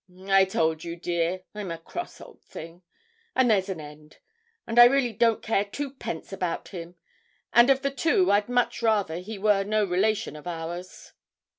'I told you, dear, I'm a cross old thing and there's an end; and I really don't care two pence about him; and of the two I'd much rather he were no relation of ours.'